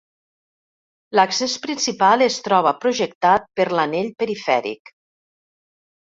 L'accés principal es troba projectat per l'anell perifèric.